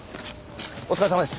お疲れさまです。